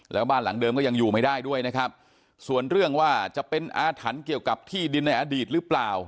แล้วบ้านหลังเดิมก็ยังอยู่ไม่ได้ด้วยนะครับส่วนเรื่องว่าจะเป็นอาถรรพ์เกี่ยวกับที่ดินในอดีตหรือเปล่า